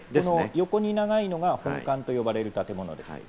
横に長いのが本館と呼ばれる建物です。